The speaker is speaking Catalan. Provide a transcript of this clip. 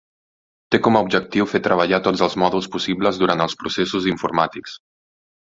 Té com a objectiu fer treballar tots els mòduls possibles durant els processos informàtics.